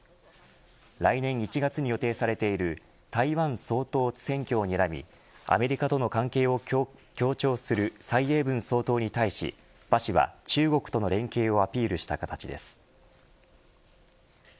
来年１月に予定されている台湾総統選挙をにらみアメリカとの関係を強調する蔡英文総統に対し、馬氏は中国との連携をアピールした形です。